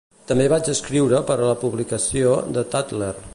També vaig escriure per a la publicació The Tatler.